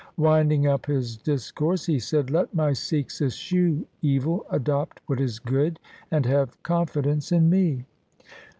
Winding up his discourse he said, ' Let my Sikhs eschew evil, adopt what is good, and have confidence in me.'